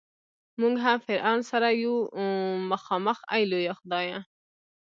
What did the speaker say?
مونږ هم فرعون سره یو مخامخ ای لویه خدایه.